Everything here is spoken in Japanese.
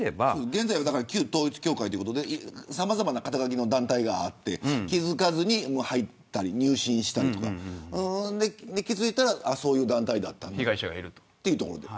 現在は旧統一教会ということでさまざまな肩書の団体があって気付かずに入ったり、入信したり気付いたらそういう団体だったというところで。